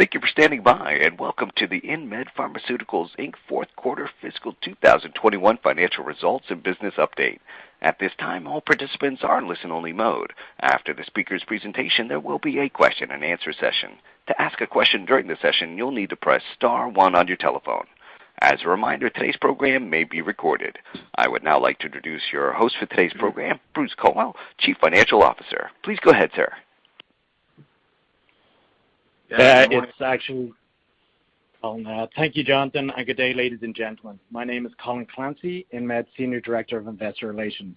Thank you for standing by and welcome to the InMed Pharmaceuticals, Inc. fourth quarter fiscal 2021 financial results and business update. At this time, all participants are in listen only mode. After the speaker's presentation, there will be a question and answer session. To ask a question during the session, you'll need to press star one on your telephone. As a reminder, today's program may be recorded. I would now like to introduce your host for today's program, Bruce Colwill, Chief Financial Officer. Please go ahead, sir. It's actually Colin. Thank you, Jonathan, and good day, ladies and gentlemen. My name is Colin Clancy, InMed Senior Director of Investor Relations.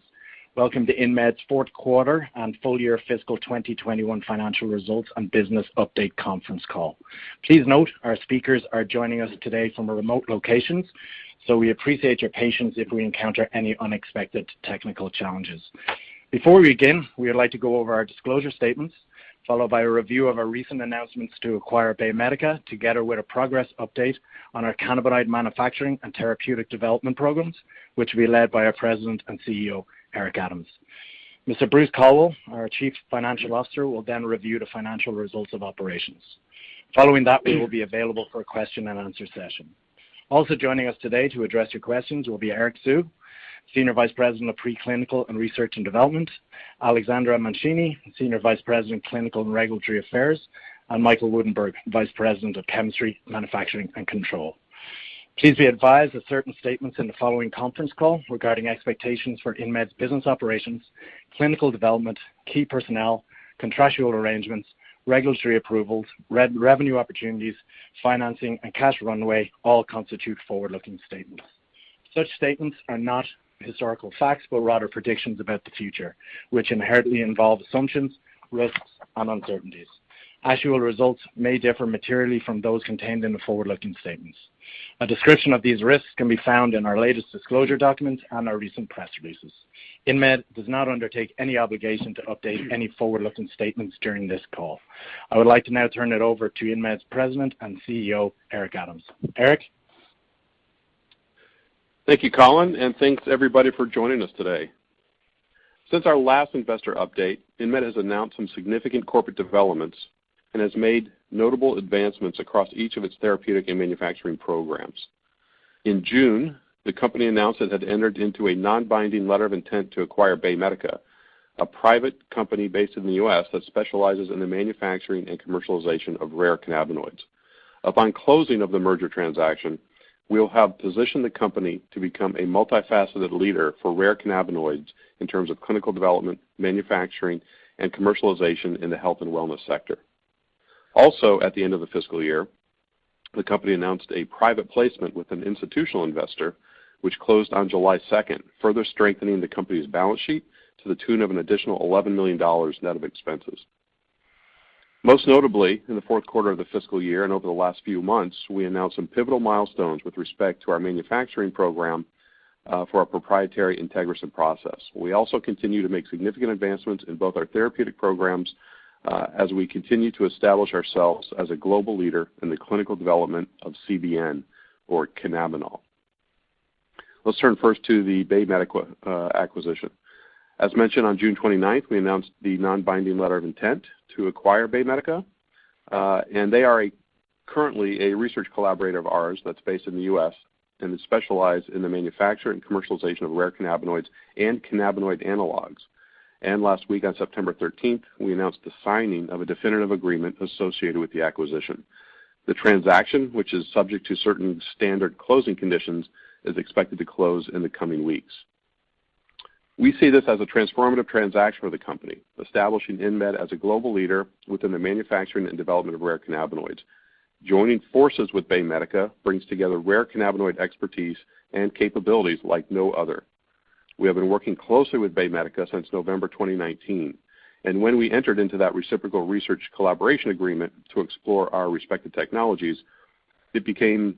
Welcome to InMed's fourth quarter and full year fiscal 2021 financial results and business update conference call. Please note our speakers are joining us today from a remote location. We appreciate your patience if we encounter any unexpected technical challenges. Before we begin, we would like to go over our disclosure statements, followed by a review of our recent announcements to acquire BayMedica, together with a progress update on our cannabinoid manufacturing and therapeutic development programs, which will be led by our President and Chief Executive Officer, Eric Adams. Mr. Bruce Colwill, our Chief Financial Officer, will review the financial results of operations. Following that, we will be available for a question and answer session. Also joining us today to address your questions will be Eric Hsu, Senior Vice President of Pre-Clinical Research & Development, Alexandra Mancini, Senior Vice President, Clinical and Regulatory Affairs, and Michael Woudenberg, Vice President of Chemistry, Manufacturing, and Control. Please be advised that certain statements in the following conference call regarding expectations for InMed's business operations, clinical development, key personnel, contractual arrangements, regulatory approvals, revenue opportunities, financing, and cash runway all constitute forward-looking statements. Such statements are not historical facts, but rather predictions about the future, which inherently involve assumptions, risks, and uncertainties. Actual results may differ materially from those contained in the forward-looking statements. A description of these risks can be found in our latest disclosure documents and our recent press releases. InMed does not undertake any obligation to update any forward-looking statements during this call. I would like to now turn it over to InMed's President and Chief Executive Officer, Eric Adams. Eric? Thank you, Colin, and thanks, everybody, for joining us today. Since our last investor update, InMed has announced some significant corporate developments and has made notable advancements across each of its therapeutic and manufacturing programs. In June, the company announced it had entered into a non-binding letter of intent to acquire BayMedica, a private company based in the U.S. that specializes in the manufacturing and commercialization of rare cannabinoids. Upon closing of the merger transaction, we'll have positioned the company to become a multifaceted leader for rare cannabinoids in terms of clinical development, manufacturing, and commercialization in the health and wellness sector. Also, at the end of the fiscal year, the company announced a private placement with an institutional investor, which closed on July 2nd, further strengthening the company's balance sheet to the tune of an additional $11 million net of expenses. Most notably, in the fourth quarter of the fiscal year and over the last few months, we announced some pivotal milestones with respect to our manufacturing program, for our proprietary IntegraSyn process. We also continue to make significant advancements in both our therapeutic programs, as we continue to establish ourselves as a global leader in the clinical development of CBN or cannabinol. Let's turn first to the BayMedica acquisition. As mentioned on June 29th, we announced the non-binding letter of intent to acquire BayMedica. They are currently a research collaborator of ours that's based in the U.S. and specialize in the manufacture and commercialization of rare cannabinoids and cannabinoid analogues. Last week on September 13th, we announced the signing of a definitive agreement associated with the acquisition. The transaction, which is subject to certain standard closing conditions, is expected to close in the coming weeks. We see this as a transformative transaction for the company, establishing InMed as a global leader within the manufacturing and development of rare cannabinoids. Joining forces with BayMedica brings together rare cannabinoid expertise and capabilities like no other. We have been working closely with BayMedica since November 2019, and when we entered into that reciprocal research collaboration agreement to explore our respective technologies, it became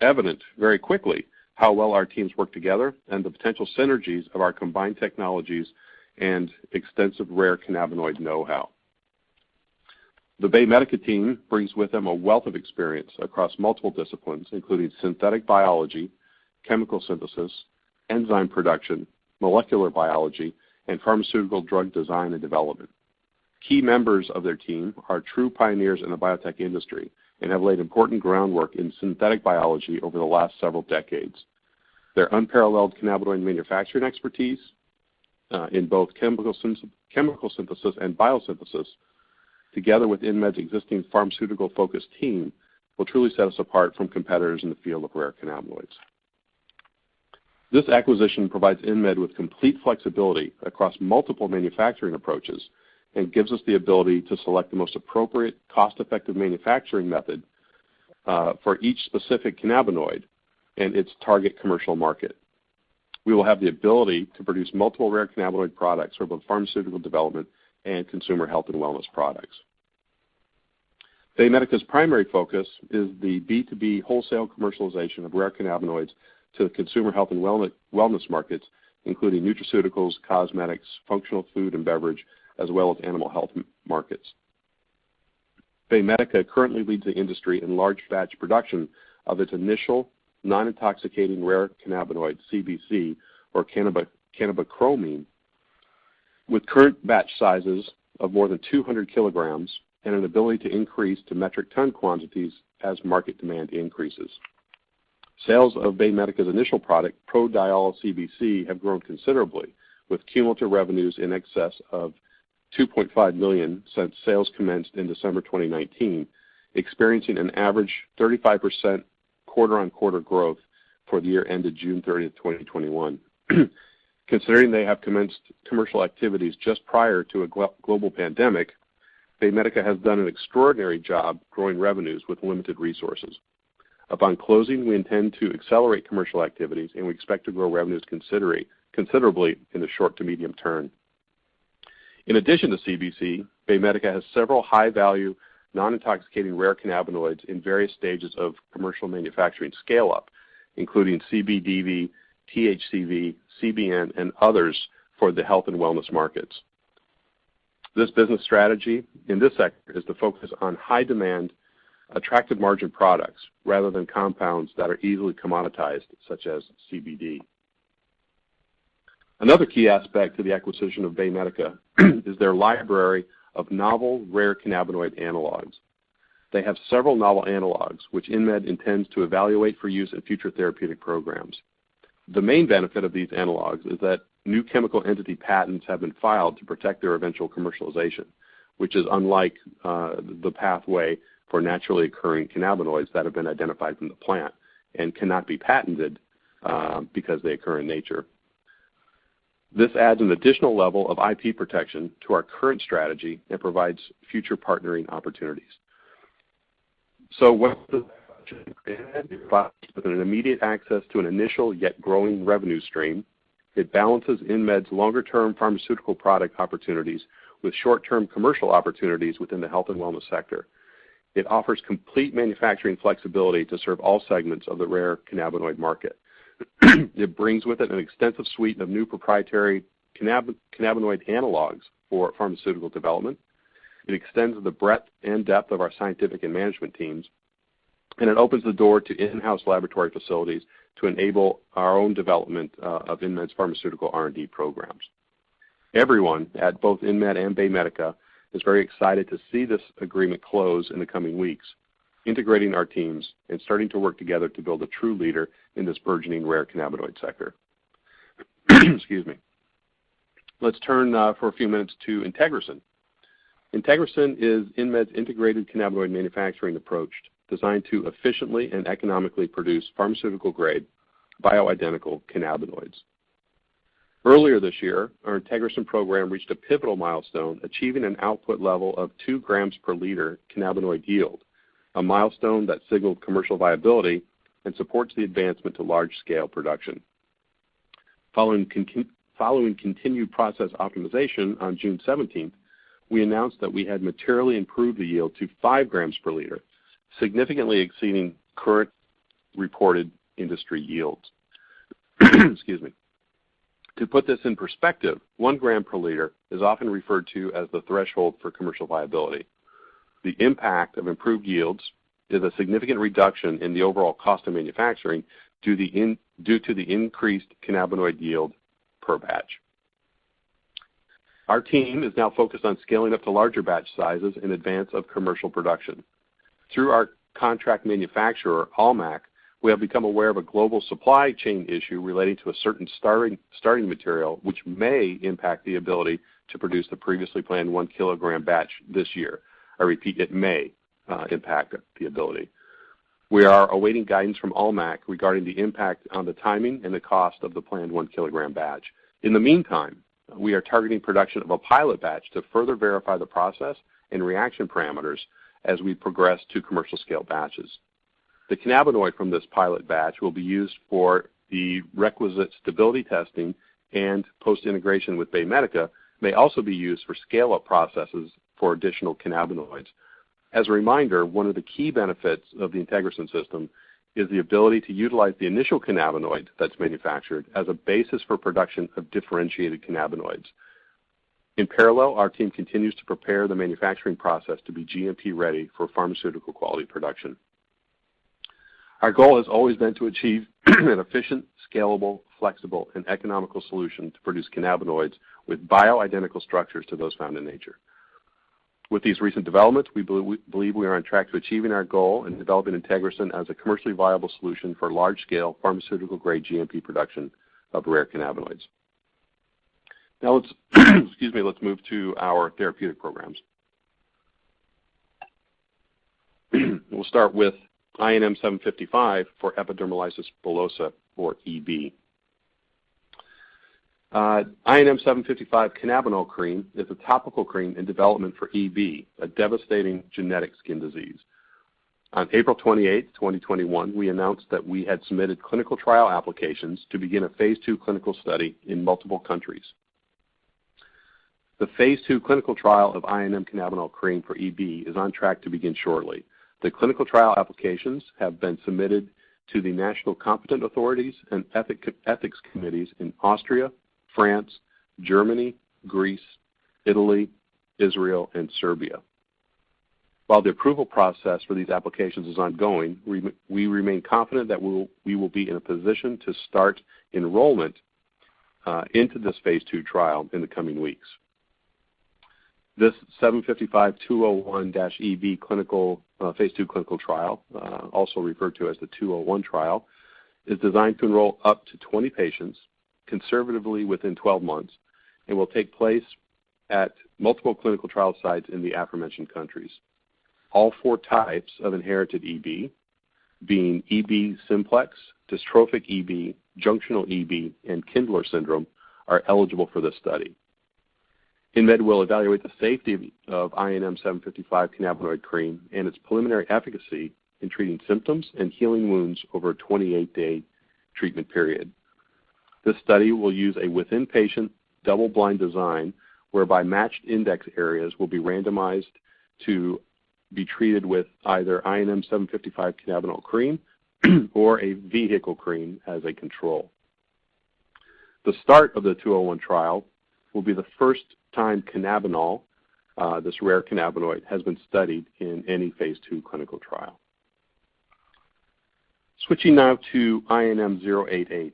evident very quickly how well our teams work together and the potential synergies of our combined technologies and extensive rare cannabinoid know-how. The BayMedica team brings with them a wealth of experience across multiple disciplines, including synthetic biology, chemical synthesis, enzyme production, molecular biology, and pharmaceutical drug design and development. Key members of their team are true pioneers in the biotech industry and have laid important groundwork in synthetic biology over the last several decades. Their unparalleled cannabinoid manufacturing expertise, in both chemical synthesis and biosynthesis, together with InMed's existing pharmaceutical-focused team, will truly set us apart from competitors in the field of rare cannabinoids. This acquisition provides InMed with complete flexibility across multiple manufacturing approaches and gives us the ability to select the most appropriate, cost-effective manufacturing method, for each specific cannabinoid and its target commercial market. We will have the ability to produce multiple rare cannabinoid products for both pharmaceutical development and consumer health and wellness products. BayMedica's primary focus is the B2B wholesale commercialization of rare cannabinoids to the consumer health and wellness markets, including nutraceuticals, cosmetics, functional food and beverage, as well as animal health markets. BayMedica currently leads the industry in large batch production of its initial non-intoxicating rare cannabinoid, CBC, or cannabichromene. With current batch sizes of more than 200 kg and an ability to increase to metric ton quantities as market demand increases. Sales of BayMedica's initial product, ProDiol CBC, have grown considerably, with cumulative revenues in excess of $2.5 million since sales commenced in December 2019, experiencing an average 35% quarter-on-quarter growth for the year ended June 30th, 2021. Considering they have commenced commercial activities just prior to a global pandemic, BayMedica has done an extraordinary job growing revenues with limited resources. Upon closing, we intend to accelerate commercial activities and we expect to grow revenues considerably in the short to medium term. In addition to CBC, BayMedica has several high-value, non-intoxicating rare cannabinoids in various stages of commercial manufacturing scale-up, including CBDV, THCV, CBN, and others for the health and wellness markets. This business strategy in this sector is to focus on high-demand, attractive margin products rather than compounds that are easily commoditized, such as CBD. Another key aspect to the acquisition of BayMedica is their library of novel, rare cannabinoid analogues. They have several novel analogues, which InMed intends to evaluate for use in future therapeutic programs. The main benefit of these analogues is that new chemical entity patents have been filed to protect their eventual commercialization, which is unlike the pathway for naturally occurring cannabinoids that have been identified from the plant and cannot be patented because they occur in nature. This adds an additional level of IP protection to our current strategy and provides future partnering opportunities. What does with an immediate access to an initial, yet growing revenue stream. It balances InMed's longer-term pharmaceutical product opportunities with short-term commercial opportunities within the health and wellness sector. It offers complete manufacturing flexibility to serve all segments of the rare cannabinoid market. It brings with it an extensive suite of new proprietary cannabinoid analogues for pharmaceutical development. It extends the breadth and depth of our scientific and management teams, and it opens the door to in-house laboratory facilities to enable our own development of InMed's pharmaceutical R&D programs. Everyone at both InMed and BayMedica is very excited to see this agreement close in the coming weeks, integrating our teams and starting to work together to build a true leader in this burgeoning rare cannabinoid sector. Excuse me. Let's turn for a few minutes to IntegraSyn. IntegraSyn is InMed's integrated cannabinoid manufacturing approach designed to efficiently and economically produce pharmaceutical-grade bioidentical cannabinoids. Earlier this year, our IntegraSyn program reached a pivotal milestone, achieving an output level of 2 g/L cannabinoid yield, a milestone that signaled commercial viability and supports the advancement to large-scale production. Following continued process optimization on June 17th, we announced that we had materially improved the yield to 5 g/L, significantly exceeding current reported industry yields. Excuse me. To put this in perspective, 1 g/L is often referred to as the threshold for commercial viability. The impact of improved yields is a significant reduction in the overall cost of manufacturing due to the increased cannabinoid yield per batch. Our team is now focused on scaling up to larger batch sizes in advance of commercial production. Through our contract manufacturer, Almac, we have become aware of a global supply chain issue relating to a certain starting material, which may impact the ability to produce the previously planned 1 kg batch this year. I repeat, it may impact the ability. We are awaiting guidance from Almac regarding the impact on the timing and the cost of the planned 1 kg batch. In the meantime, we are targeting production of a pilot batch to further verify the process and reaction parameters as we progress to commercial scale batches. The cannabinoid from this pilot batch will be used for the requisite stability testing and post-integration with BayMedica. It may also be used for scale-up processes for additional cannabinoids. As a reminder, one of the key benefits of the IntegraSyn system is the ability to utilize the initial cannabinoid that's manufactured as a basis for production of differentiated cannabinoids. In parallel, our team continues to prepare the manufacturing process to be GMP-ready for pharmaceutical-quality production. Our goal has always been to achieve an efficient, scalable, flexible, and economical solution to produce cannabinoids with bioidentical structures to those found in nature. With these recent developments, we believe we are on track to achieving our goal and developing IntegraSyn as a commercially viable solution for large-scale, pharmaceutical-grade GMP production of rare cannabinoids. Let's move to our therapeutic programs. We'll start with INM-755 for epidermolysis bullosa or EB. INM-755 cannabinol cream is a topical cream in development for EB, a devastating genetic skin disease. On April 28th, 2021, we announced that we had submitted clinical trial applications to begin a phase II clinical study in multiple countries. The phase II clinical trial of INM cannabinol cream for EB is on track to begin shortly. The clinical trial applications have been submitted to the national competent authorities and ethics committees in Austria, France, Germany, Greece, Italy, Israel, and Serbia. While the approval process for these applications is ongoing, we remain confident that we will be in a position to start enrollment into this phase II trial in the coming weeks. This 755-201-EB clinical, phase II clinical trial, also referred to as the 201 trial, is designed to enroll up to 20 patients conservatively within 12 months and will take place at multiple clinical trial sites in the aforementioned countries. All four types of inherited EB, being EB simplex, Dystrophic EB, Junctional EB, and Kindler syndrome, are eligible for this study. InMed will evaluate the safety of INM-755 cannabinol cream and its preliminary efficacy in treating symptoms and healing wounds over a 28-day treatment period. This study will use a within-patient, double-blind design whereby matched index areas will be randomized to be treated with either INM-755 cannabinol cream or a vehicle cream as a control. The start of the 201 trial will be the first time cannabinol, this rare cannabinoid, has been studied in any phase II clinical trial. Switching now to INM-088.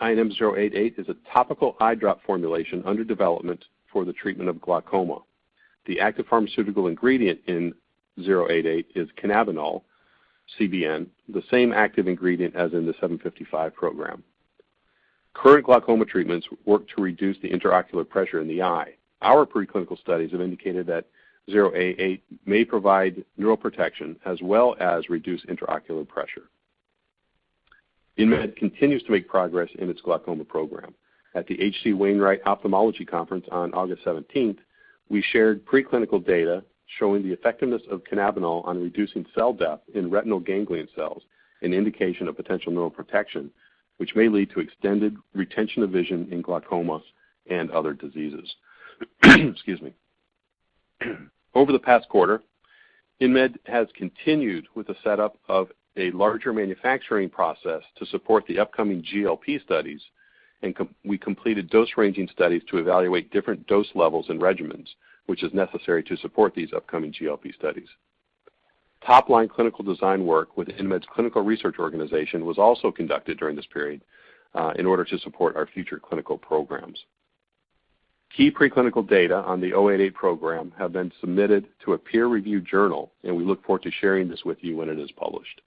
INM-088 is a topical eye drop formulation under development for the treatment of glaucoma. The active pharmaceutical ingredient in 088 is cannabinol, CBN, the same active ingredient as in the 755 program. Current glaucoma treatments work to reduce the intraocular pressure in the eye. Our pre-clinical studies have indicated that 088 may provide neural protection as well as reduce intraocular pressure. InMed continues to make progress in its glaucoma program. At the H.C. Wainwright Ophthalmology Conference on August 17th, we shared pre-clinical data showing the effectiveness of cannabinol on reducing cell death in retinal ganglion cells, an indication of potential neural protection, which may lead to extended retention of vision in glaucomas and other diseases. Excuse me. Over the past quarter, InMed has continued with the setup of a larger manufacturing process to support the upcoming GLP studies. We completed dose-ranging studies to evaluate different dose levels and regimens, which is necessary to support these upcoming GLP studies. Top-line clinical design work with InMed's clinical research organization was also conducted during this period in order to support our future clinical programs. Key pre-clinical data on the INM-088 program have been submitted to a peer-reviewed journal. We look forward to sharing this with you when it is published.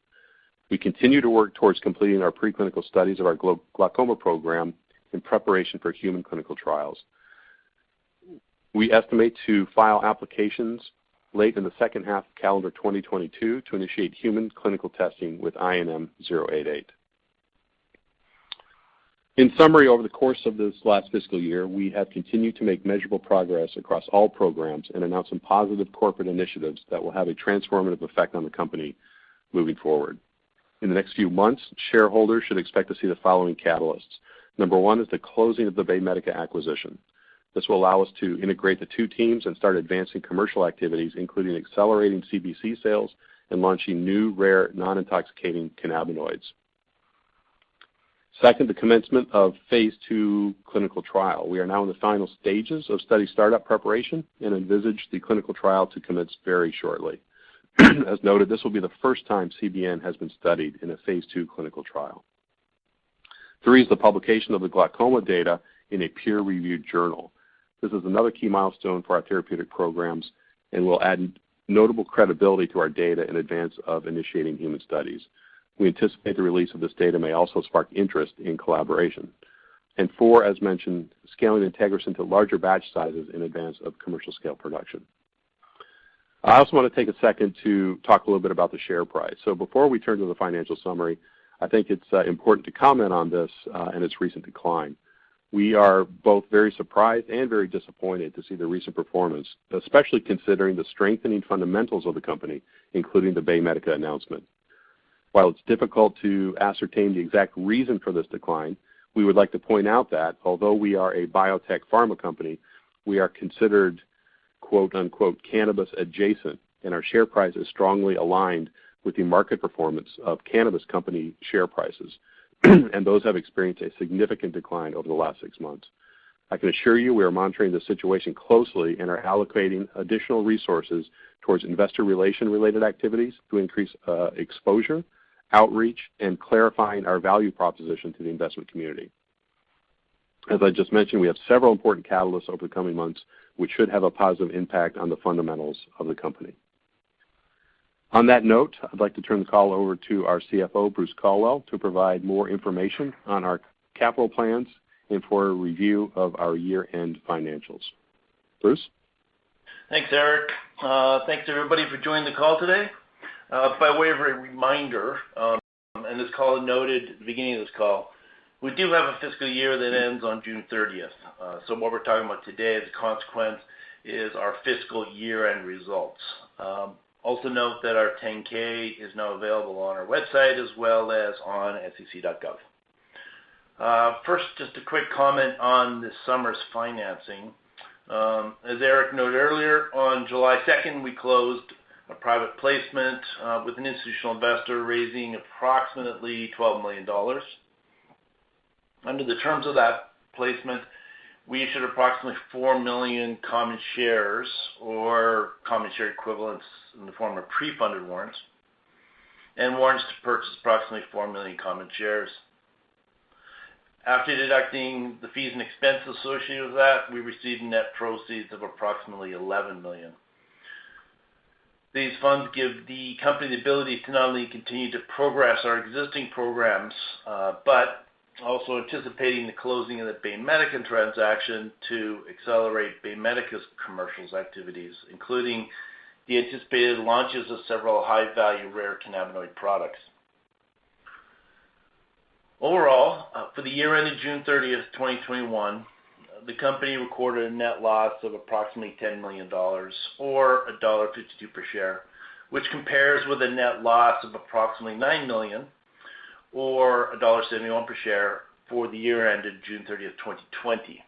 We continue to work towards completing our pre-clinical studies of our glaucoma program in preparation for human clinical trials. We estimate to file applications late in the second half of calendar 2022 to initiate human clinical testing with INM-088. In summary, over the course of this last fiscal year, we have continued to make measurable progress across all programs and announced some positive corporate initiatives that will have a transformative effect on the company moving forward. In the next few months, shareholders should expect to see the following catalysts. Number one is the closing of the BayMedica acquisition. This will allow us to integrate the two teams and start advancing commercial activities, including accelerating CBC sales and launching new, rare, non-intoxicating cannabinoids. Second, the commencement of phase II clinical trial. We are now in the final stages of study startup preparation and envisage the clinical trial to commence very shortly. As noted, this will be the first time CBN has been studied in a phase II clinical trial. Three is the publication of the glaucoma data in a peer-reviewed journal. This is another key milestone for our therapeutic programs and will add notable credibility to our data in advance of initiating human studies. We anticipate the release of this data may also spark interest in collaboration. Four, as mentioned, scaling IntegraSyn to larger batch sizes in advance of commercial scale production. I also want to take a second to talk a little bit about the share price. Before we turn to the financial summary, I think it's important to comment on this and its recent decline. We are both very surprised and very disappointed to see the recent performance, especially considering the strengthening fundamentals of the company, including the BayMedica announcement. While it is difficult to ascertain the exact reason for this decline, we would like to point out that although we are a biotech pharma company, we are considered quote-unquote, cannabis adjacent, and our share price is strongly aligned with the market performance of cannabis company share prices, and those have experienced a significant decline over the last six months. I can assure you we are monitoring the situation closely and are allocating additional resources towards investor relation-related activities to increase exposure, outreach, and clarifying our value proposition to the investment community. As I just mentioned, we have several important catalysts over the coming months which should have a positive impact on the fundamentals of the company. On that note, I'd like to turn the call over to our Chief Financial Officer, Bruce Colwill, to provide more information on our capital plans and for a review of our year-end financials. Bruce? Thanks, Eric. Thanks everybody for joining the call today. By way of a reminder, and as Colin noted at the beginning of this call, we do have a fiscal year that ends on June 30th. What we're talking about today as a consequence is our fiscal year-end results. Also note that our 10-K is now available on our website as well as on sec.gov. First, just a quick comment on this summer's financing. As Eric noted earlier, on July 2nd, we closed a private placement with an institutional investor, raising approximately $12 million. Under the terms of that placement, we issued approximately 4 million common shares or common share equivalents in the form of pre-funded warrants and warrants to purchase approximately 4 million common shares. After deducting the fees and expenses associated with that, we received net proceeds of approximately $11 million. These funds give the company the ability to not only continue to progress our existing programs, but also anticipating the closing of the BayMedica transaction to accelerate BayMedica's commercial activities, including the anticipated launches of several high-value rare cannabinoid products. Overall, for the year ending June 30, 2021, the company recorded a net loss of approximately $10 million, or $1.52 per share, which compares with a net loss of approximately $9 million or $1.71 per share for the year ended June 30, 2020.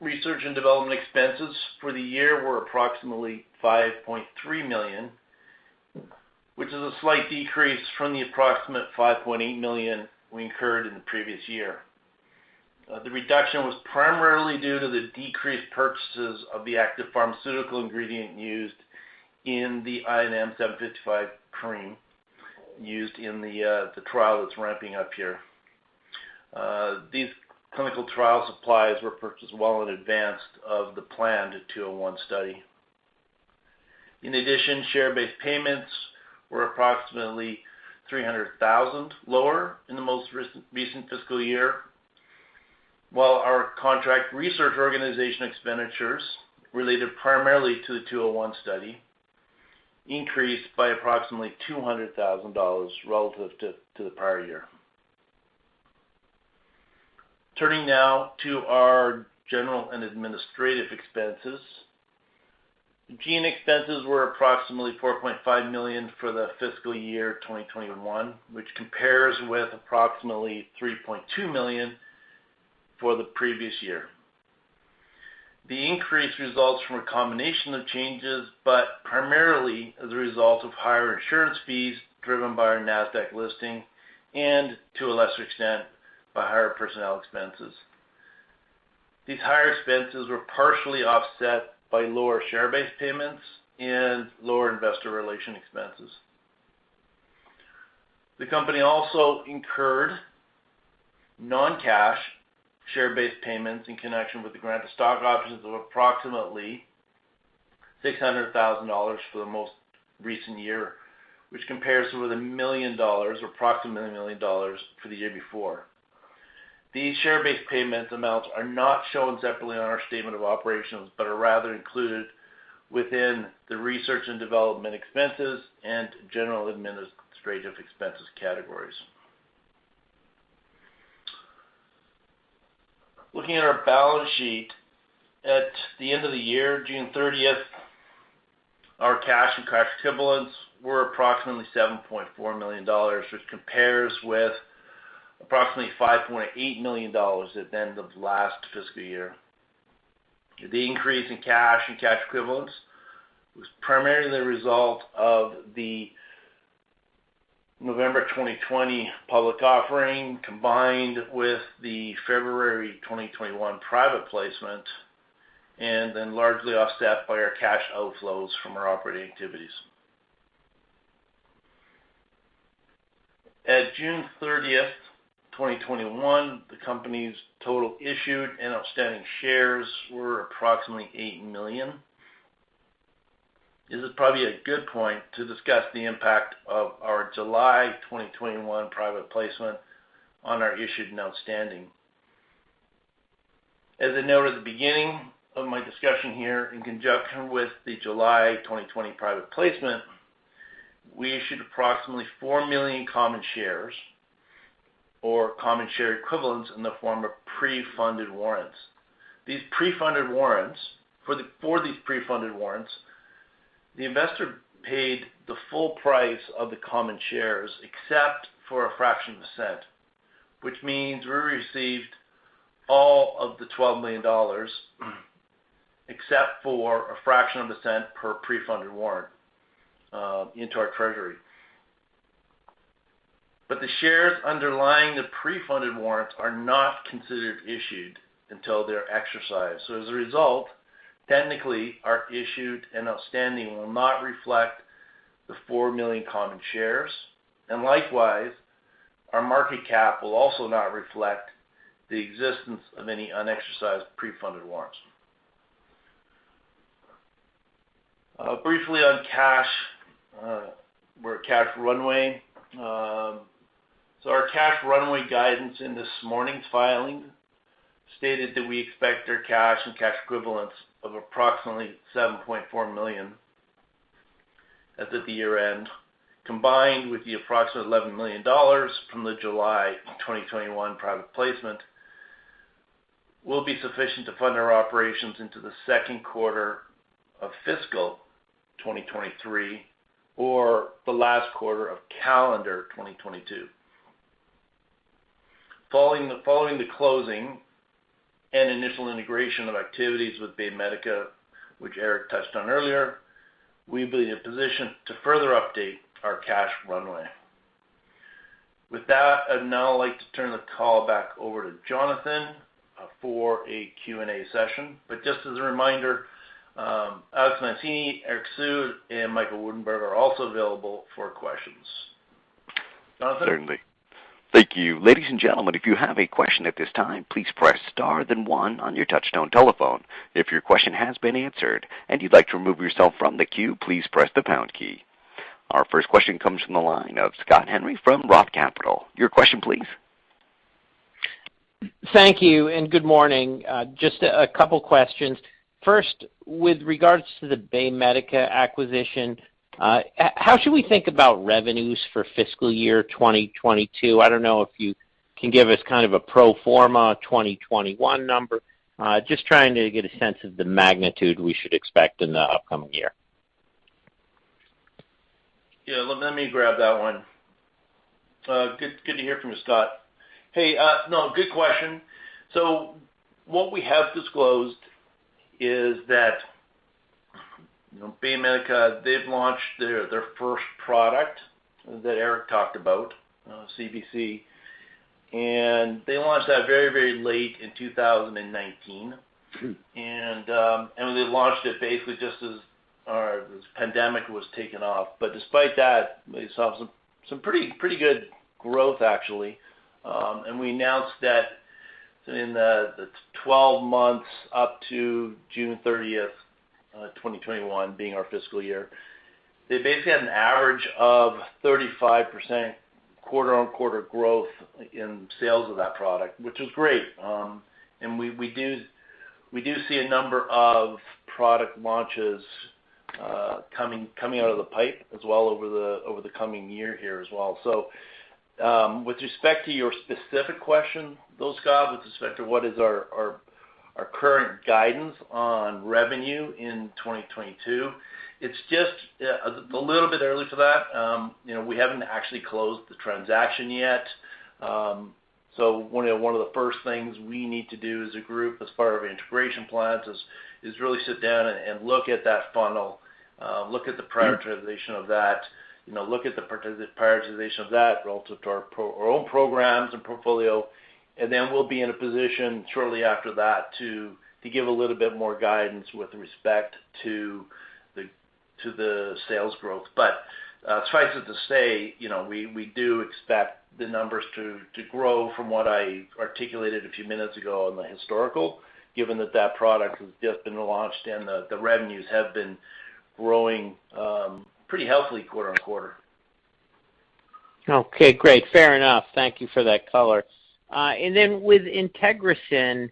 Research and development expenses for the year were approximately $5.3 million, which is a slight decrease from the approximate $5.8 million we incurred in the previous year. The reduction was primarily due to the decreased purchases of the active pharmaceutical ingredient used in the INM-755 cream used in the trial that's ramping up here. These clinical trial supplies were purchased well in advance of the planned 201 study. In addition, share-based payments were approximately $300,000 lower in the most recent fiscal year, while our contract research organization expenditures related primarily to the 201 study increased by approximately $200,000 relative to the prior year. Turning now to our general and administrative expenses. G&A expenses were approximately $4.5 million for the fiscal year 2021, which compares with approximately $3.2 million for the previous year. The increase results from a combination of changes, primarily as a result of higher insurance fees driven by our Nasdaq listing and, to a lesser extent, by higher personnel expenses. These higher expenses were partially offset by lower share-based payments and lower investor relation expenses. The company also incurred non-cash share-based payments in connection with the grant of stock options of approximately $600,000 for the most recent year, which compares with approximately $1 million for the year before. These share-based payment amounts are not shown separately on our statement of operations but are rather included within the research and development expenses and general administrative expenses categories. Looking at our balance sheet, at the end of the year, June 30th, our cash and cash equivalents were approximately $7.4 million, which compares with approximately $5.8 million at the end of last fiscal year. The increase in cash and cash equivalents was primarily the result of the November 2020 public offering, combined with the February 2021 private placement, and then largely offset by our cash outflows from our operating activities. At June 30th, 2021, the company's total issued and outstanding shares were approximately 8 million. This is probably a good point to discuss the impact of our July 2021 private placement on our issued and outstanding. As I noted at the beginning of my discussion here, in conjunction with the July 2020 private placement, we issued approximately 4 million common shares or common share equivalents in the form of pre-funded warrants. For these pre-funded warrants, the investor paid the full price of the common shares, except for a fraction of a cent. Which means we received all of the $12 million, except for a fraction of a cent per pre-funded warrant, into our treasury. The shares underlying the pre-funded warrants are not considered issued until they're exercised. As a result, technically, our issued and outstanding will not reflect the 4 million common shares, and likewise, our market cap will also not reflect the existence of any unexercised pre-funded warrants. Briefly on cash, or cash runway. Our cash runway guidance in this morning's filing stated that we expect our cash and cash equivalents of approximately $7.4 million as of the year-end, combined with the approximate $11 million from the July 2021 private placement, will be sufficient to fund our operations into the second quarter of fiscal 2023 or the last quarter of calendar 2022. Following the closing and initial integration of activities with BayMedica, which Eric touched on earlier, we'll be in a position to further update our cash runway. With that, I'd now like to turn the call back over to Jonathan for a Q&A session. Just as a reminder, Alex Mancini, Eric Hsu, and Michael Woudenberg are also available for questions. Jonathan? Certainly. Thank you. Ladies and gentlemen, if you have a question at this time, please press star then one on your touchtone telephone. If your question has been answered and you'd like to remove yourself from the queue, please press the pound key. Our first question comes from the line of Scott Henry from Roth Capital Partners. Your question, please. Thank you, and good morning. Just a couple questions. First, with regards to the BayMedica acquisition, how should we think about revenues for fiscal year 2022? I don't know if you can give us kind of a pro forma 2021 number. Just trying to get a sense of the magnitude we should expect in the upcoming year. Yeah, let me grab that one. Good to hear from you, Scott. Hey, no, good question. What we have disclosed is that BayMedica, they've launched their first product that Eric talked about, CBC, and they launched that very late in 2019. They launched it basically just as this pandemic was taking off. Despite that, they saw some pretty good growth, actually. We announced that in the 12 months up to June 30th, 2021, being our fiscal year, they basically had an average of 35% quarter-on-quarter growth in sales of that product, which is great. We do see a number of product launches coming out of the pipe as well over the coming year here as well. With respect to your specific question though, Scott, with respect to what is our current guidance on revenue in 2022, it's just a little bit early for that. We haven't actually closed the transaction yet. One of the first things we need to do as a group, as part of our integration plans, is really sit down and look at that funnel, look at the prioritization of that, look at the prioritization of that relative to our own programs and portfolio. We'll be in a position shortly after that to give a little bit more guidance with respect to the sales growth. Suffice it to say, we do expect the numbers to grow from what I articulated a few minutes ago on the historical, given that product has just been launched and the revenues have been growing pretty healthily quarter-on-quarter. Okay, great. Fair enough. Thank you for that color. With IntegraSyn,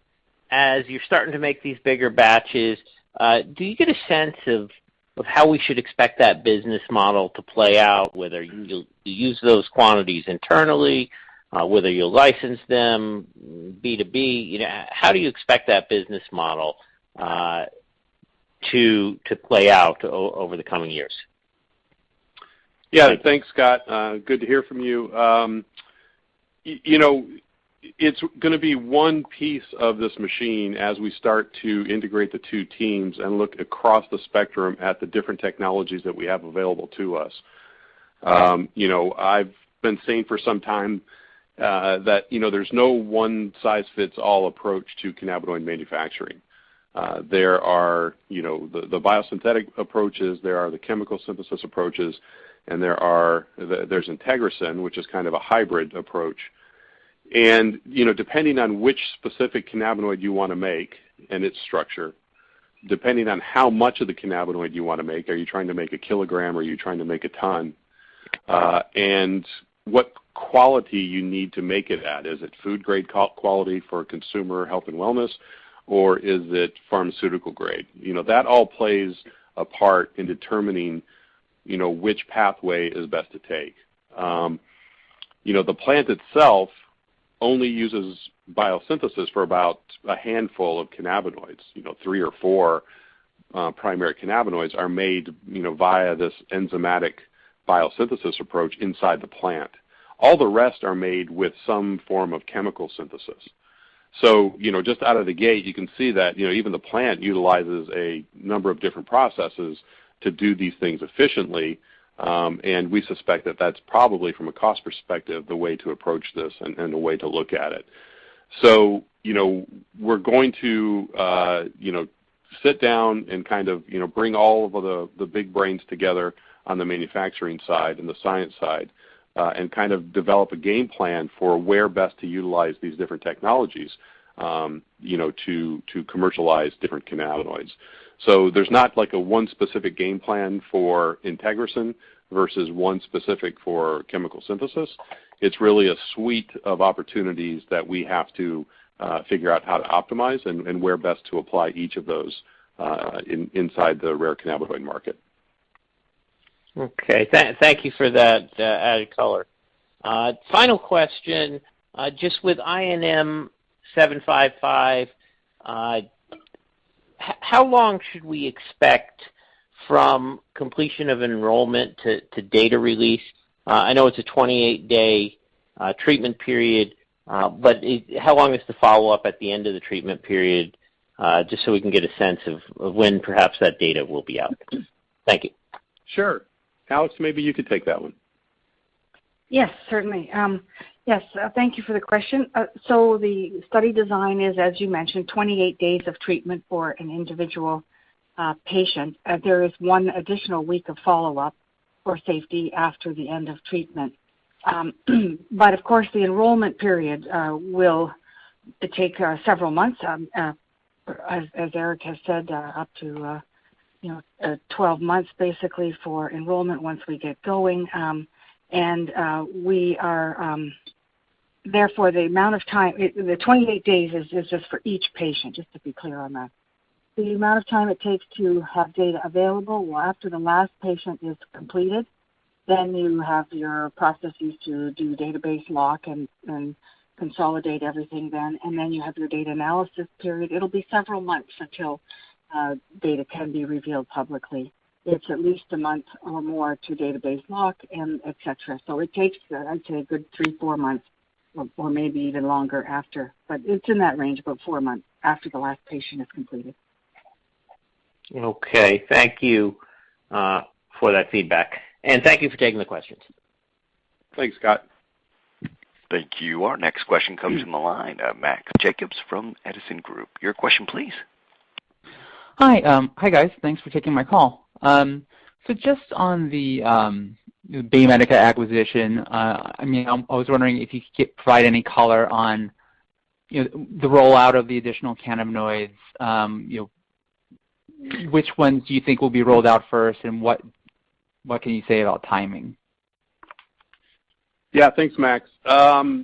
as you're starting to make these bigger batches, do you get a sense of how we should expect that business model to play out, whether you'll use those quantities internally, whether you'll license them B2B? How do you expect that business model to play out over the coming years? Yeah. Thanks, Scott. Good to hear from you. It's going to be one piece of this machine as we start to integrate the two teams and look across the spectrum at the different technologies that we have available to us. I've been saying for some time that there's no one-size-fits-all approach to cannabinoid manufacturing. There are the biosynthetic approaches, there are the chemical synthesis approaches, and there's IntegraSyn, which is kind of a hybrid approach. Depending on which specific cannabinoid you want to make and its structure, depending on how much of the cannabinoid you want to make, are you trying to make a kilogram or are you trying to make a ton? What quality you need to make it at, is it food-grade quality for consumer health and wellness, or is it pharmaceutical-grade? That all plays a part in determining which pathway is best to take. The plant itself only uses biosynthesis for about a handful of cannabinoids. Three or four primary cannabinoids are made via this enzymatic biosynthesis approach inside the plant. All the rest are made with some form of chemical synthesis. Just out of the gate, you can see that even the plant utilizes a number of different processes to do these things efficiently, and we suspect that that's probably, from a cost perspective, the way to approach this and the way to look at it. We're going to sit down and kind of bring all of the big brains together on the manufacturing side and the science side, and kind of develop a game plan for where best to utilize these different technologies to commercialize different cannabinoids. There's not like a one specific game plan for IntegraSyn versus one specific for chemical synthesis. It's really a suite of opportunities that we have to figure out how to optimize and where best to apply each of those inside the rare cannabinoid market. Okay. Thank you for that added color. Final question. Just with INM-755, How long should we expect from completion of enrollment to data release? I know it's a 28-day treatment period, but how long is the follow-up at the end of the treatment period, just so we can get a sense of when perhaps that data will be out? Thank you. Sure. Alex, maybe you could take that one. Yes, certainly. Yes, thank you for the question. The study design is, as you mentioned, 28 days of treatment for an individual patient. There is one additional week of follow-up for safety after the end of treatment. Of course, the enrollment period will take several months, as Eric has said, up to 12 months, basically, for enrollment once we get going. Therefore, the 28 days is just for each patient, just to be clear on that. The amount of time it takes to have data available, well, after the last patient is completed, then you have your processes to do database lock and consolidate everything then, and then you have your data analysis period. It'll be several months until data can be revealed publicly. It's at least one month or more to database lock and et cetera. It takes, I'd say, a good three, four months, or maybe even longer after. It's in that range, about four months after the last patient is completed. Okay. Thank you for that feedback. Thank you for taking the questions. Thanks, Scott. Thank you. Our next question comes from the line, Maxim Jacobs from Edison Group. Your question, please. Hi. Hi, guys. Thanks for taking my call. Just on the BayMedica acquisition, I was wondering if you could provide any color on the rollout of the additional cannabinoids. Which ones do you think will be rolled out first, and what can you say about timing? Yeah. Thanks, Max. We're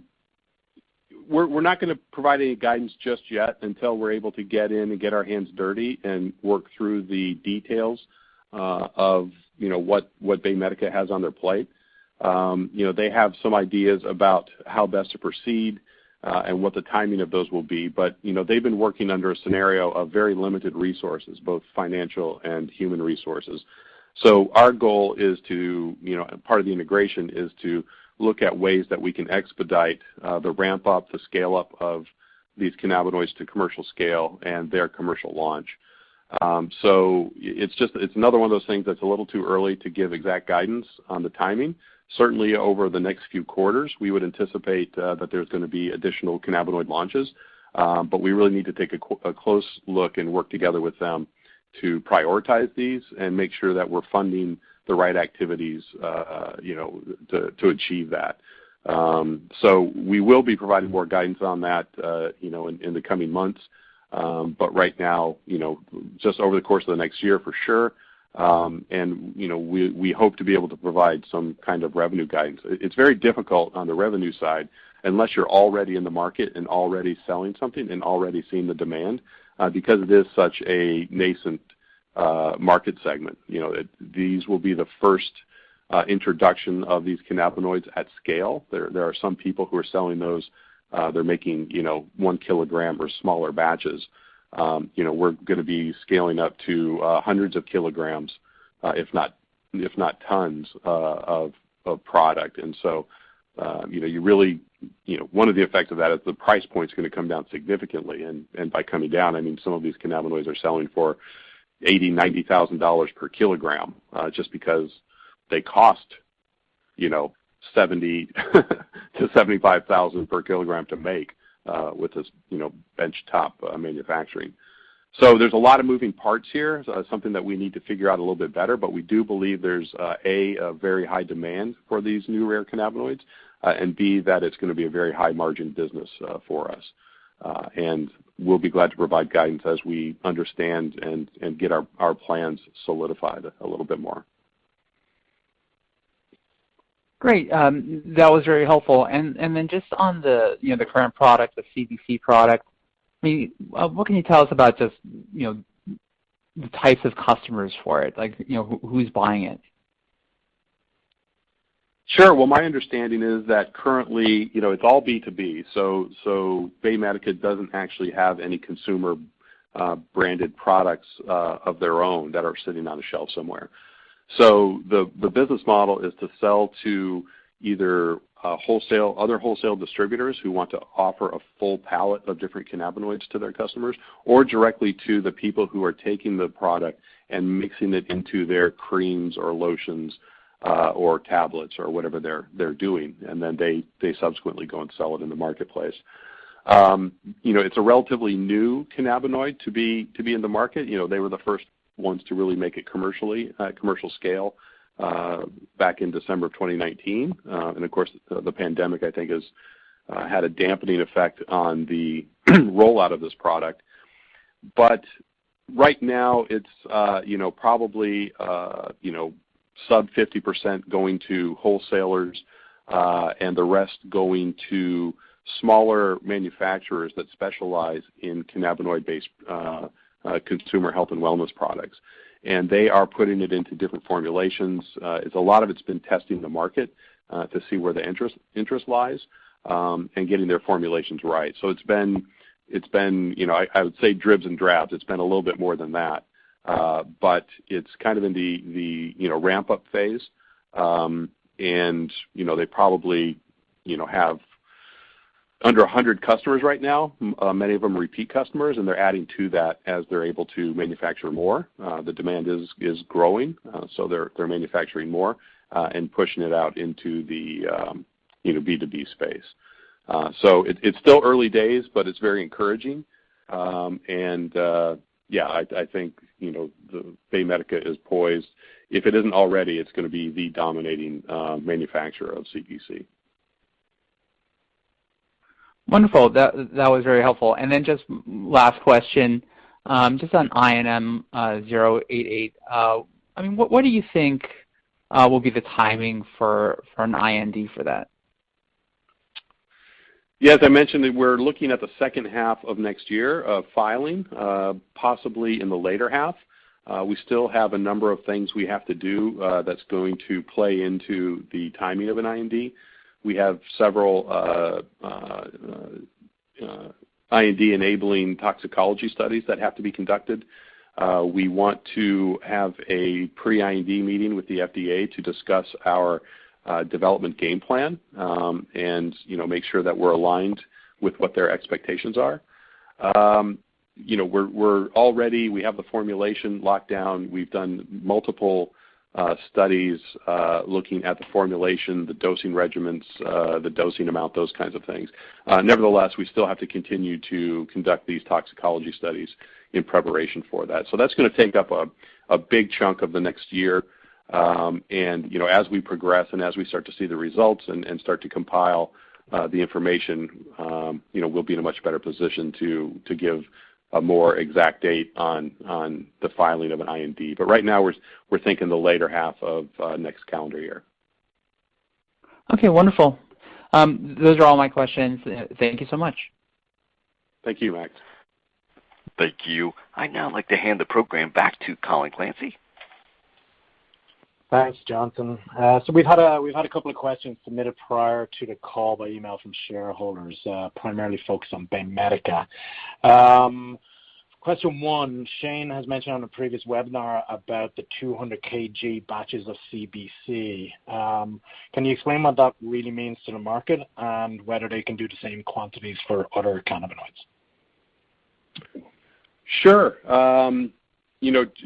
not going to provide any guidance just yet until we're able to get in and get our hands dirty and work through the details of what BayMedica has on their plate. They have some ideas about how best to proceed. What the timing of those will be. They've been working under a scenario of very limited resources, both financial and human resources. Our goal, part of the integration, is to look at ways that we can expedite the ramp up, the scale up of these cannabinoids to commercial scale and their commercial launch. It's another one of those things that's a little too early to give exact guidance on the timing. Certainly, over the next few quarters, we would anticipate that there's going to be additional cannabinoid launches. We really need to take a close look and work together with them to prioritize these and make sure that we're funding the right activities to achieve that. We will be providing more guidance on that in the coming months. Right now, just over the course of the next year, for sure, and we hope to be able to provide some kind of revenue guidance. It's very difficult on the revenue side, unless you're already in the market and already selling something and already seeing the demand, because it is such a nascent market segment. These will be the first introduction of these cannabinoids at scale. There are some people who are selling those. They're making one kilogram or smaller batches. We're going to be scaling up to hundreds of kilograms, if not tons, of product. One of the effects of that is the price point's going to come down significantly. By coming down, I mean some of these cannabinoids are selling for $80,000, $90,000/kg, just because they cost $70,000 to $75,000/kg to make with this bench-top manufacturing. There's a lot of moving parts here, something that we need to figure out a little bit better, but we do believe there's, A, a very high demand for these new rare cannabinoids, and B, that it's going to be a very high-margin business for us. We'll be glad to provide guidance as we understand and get our plans solidified a little bit more. Great. That was very helpful. Just on the current product, the CBC product, what can you tell us about just the types of customers for it? Who's buying it? Sure. Well, my understanding is that currently, it's all B2B. BayMedica doesn't actually have any consumer-branded products of their own that are sitting on a shelf somewhere. The business model is to sell to either other wholesale distributors who want to offer a full palette of different cannabinoids to their customers, or directly to the people who are taking the product and mixing it into their creams or lotions or tablets or whatever they're doing, and then they subsequently go and sell it in the marketplace. It's a relatively new cannabinoid to be in the market. They were the first ones to really make it at commercial scale back in December of 2019. Of course, the pandemic, I think, has had a dampening effect on the rollout of this product. Right now it's probably sub 50% going to wholesalers, and the rest going to smaller manufacturers that specialize in cannabinoid-based consumer health and wellness products. They are putting it into different formulations. A lot of it's been testing the market to see where the interest lies, and getting their formulations right. It's been, I would say dribs and drabs. It's been a little bit more than that. It's kind of in the ramp-up phase. They probably have under 100 customers right now. Many of them are repeat customers, and they're adding to that as they're able to manufacture more. The demand is growing, so they're manufacturing more and pushing it out into the B2B space. It's still early days, but it's very encouraging. Yeah, I think BayMedica is poised. If it isn't already, it's going to be the dominating manufacturer of CBC. Wonderful. That was very helpful. Just last question, just on INM-088, what do you think will be the timing for an IND for that? As I mentioned, we're looking at the second half of next year of filing, possibly in the later half. We still have a number of things we have to do that's going to play into the timing of an IND. We have several IND-enabling toxicology studies that have to be conducted. We want to have a pre-IND meeting with the FDA to discuss our development game plan, and make sure that we're aligned with what their expectations are. We're all ready. We have the formulation locked down. We've done multiple studies looking at the formulation, the dosing regimens, the dosing amount, those kinds of things. Nevertheless, we still have to continue to conduct these toxicology studies in preparation for that. That's going to take up a big chunk of the next year. As we progress and as we start to see the results and start to compile the information, we'll be in a much better position to give a more exact date on the filing of an IND. Right now, we're thinking the later half of next calendar year. Okay, wonderful. Those are all my questions. Thank you so much. Thank you, Max. Thank you. I'd now like to hand the program back to Colin Clancy. Thanks, Jonathan. We've had a couple of questions submitted prior to the call by email from shareholders, primarily focused on BayMedica. Question one, Shane has mentioned on a previous webinar about the 200 kg batches of CBC. Can you explain what that really means to the market, and whether they can do the same quantities for other cannabinoids? Sure.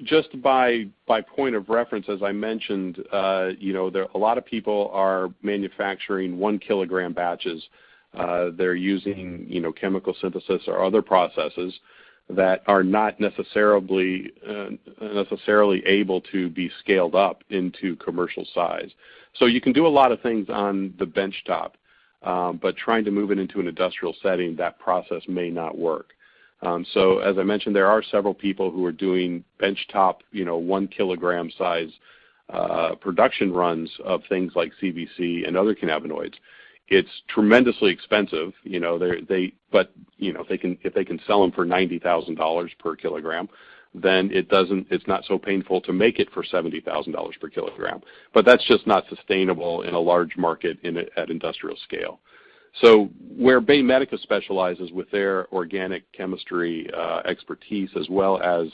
Just by point of reference, as I mentioned, a lot of people are manufacturing 1 kg batches. They're using chemical synthesis or other processes that are not necessarily able to be scaled up into commercial size. You can do a lot of things on the benchtop, but trying to move it into an industrial setting, that process may not work. As I mentioned, there are several people who are doing benchtop 1 kg size production runs of things like CBC and other cannabinoids. It's tremendously expensive, but if they can sell them for $90,000/kg, then it's not so painful to make it for $70,000/kg. That's just not sustainable in a large market at industrial scale. Where BayMedica specializes with their organic chemistry expertise as well as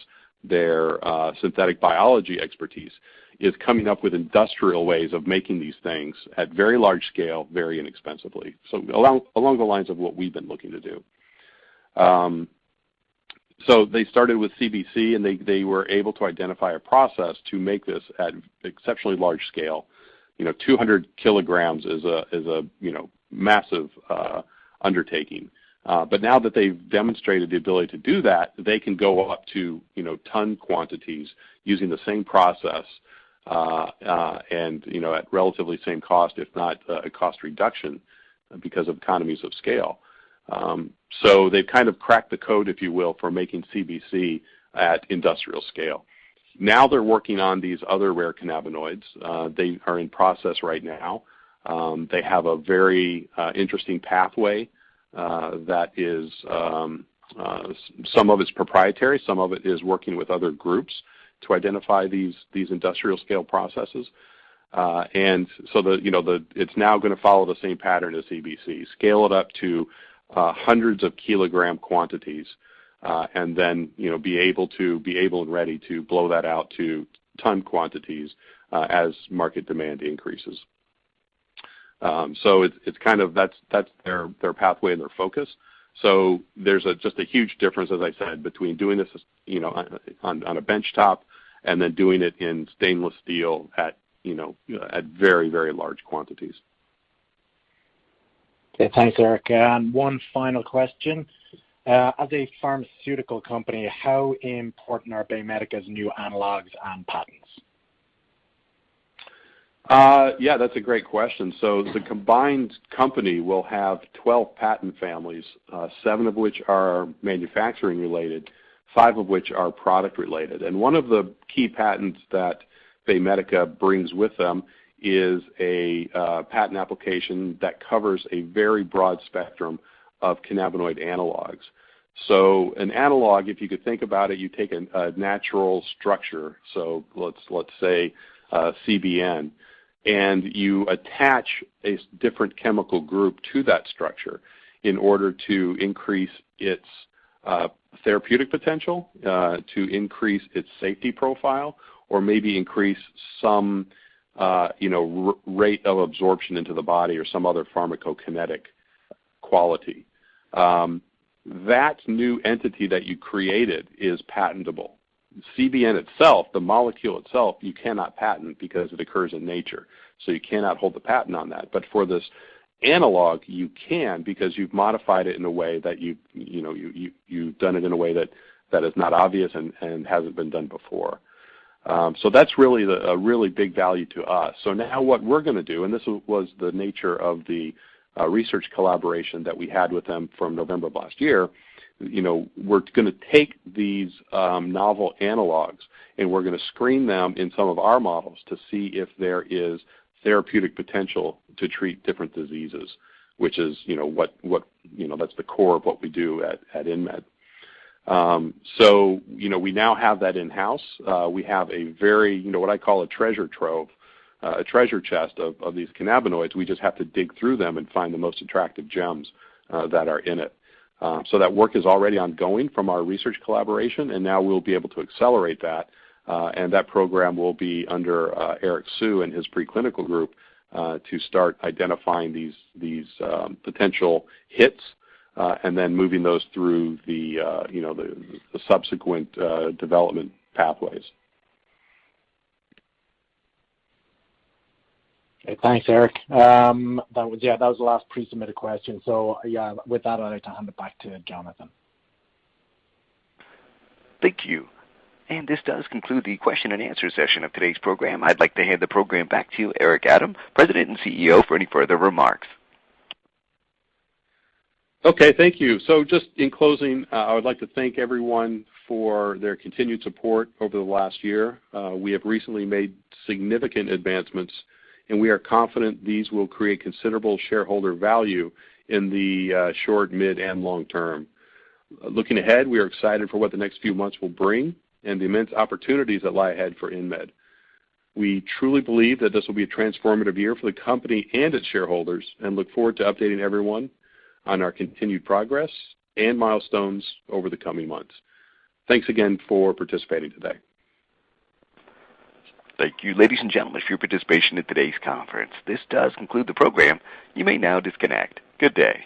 their synthetic biology expertise, is coming up with industrial ways of making these things at very large scale, very inexpensively. Along the lines of what we've been looking to do. They started with CBC, and they were able to identify a process to make this at exceptionally large scale. 200 kg is a massive undertaking. Now that they've demonstrated the ability to do that, they can go up to ton quantities using the same process, and at relatively same cost, if not a cost reduction because of economies of scale. They've kind of cracked the code, if you will, for making CBC at industrial scale. Now they're working on these other rare cannabinoids. They are in process right now. They have a very interesting pathway that is, some of it's proprietary, some of it is working with other groups to identify these industrial scale processes. It's now going to follow the same pattern as CBC, scale it up to hundreds of kilogram quantities, and then be able and ready to blow that out to ton quantities as market demand increases. That's their pathway and their focus. There's just a huge difference, as I said, between doing this on a benchtop and then doing it in stainless steel at very, very large quantities. Okay. Thanks, Eric. One final question. As a pharmaceutical company, how important are BayMedica's new analogs and patents? Yeah, that's a great question. The combined company will have 12 patent families, seven of which are manufacturing-related, five of which are product-related. One of the key patents that BayMedica brings with them is a patent application that covers a very broad spectrum of cannabinoid analogs. An analog, if you could think about it, you take a natural structure, let's say CBN, and you attach a different chemical group to that structure in order to increase its therapeutic potential to increase its safety profile or maybe increase some rate of absorption into the body or some other pharmacokinetic quality. That new entity that you created is patentable. CBN itself, the molecule itself, you cannot patent because it occurs in nature. You cannot hold the patent on that. For this analog, you can, because you've modified it in a way that you've done it in a way that is not obvious and hasn't been done before. That's a really big value to us. Now what we're going to do, and this was the nature of the research collaboration that we had with them from November of last year. We're going to take these novel analogs, and we're going to screen them in some of our models to see if there is therapeutic potential to treat different diseases, which that's the core of what we do at InMed. We now have that in-house. We have a very, what I call a treasure trove, a treasure chest of these cannabinoids. We just have to dig through them and find the most attractive gems that are in it. That work is already ongoing from our research collaboration, and now we'll be able to accelerate that. That program will be under Eric Hsu and his preclinical group to start identifying these potential hits and then moving those through the subsequent development pathways. Okay, thanks, Eric. That was, yeah, that was the last pre-submitted question. Yeah, with that, I'd like to hand it back to Jonathan. Thank you. This does conclude the question and answer session of today's program. I'd like to hand the program back to you, Eric A. Adams, President and Chief Executive Officer, for any further remarks. Okay. Thank you. Just in closing, I would like to thank everyone for their continued support over the last year. We have recently made significant advancements, and we are confident these will create considerable shareholder value in the short, mid, and long term. Looking ahead, we are excited for what the next few months will bring and the immense opportunities that lie ahead for InMed. We truly believe that this will be a transformative year for the company and its shareholders and look forward to updating everyone on our continued progress and milestones over the coming months. Thanks again for participating today. Thank you. Ladies and gentlemen, for your participation in today's conference, this does conclude the program. You may now disconnect. Good day.